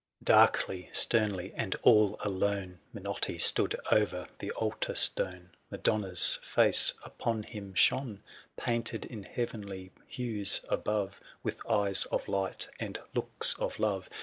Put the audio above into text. Darkly, sternly, and all alone, Minotti stood o'er the altar stone: Madonna's face upon him shone. Painted in heavenly hues above, 905 With eyes of light and looks of love ; THE SIEGE OF CORINTH.